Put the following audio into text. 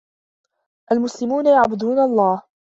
المسلمون يعبدون الله.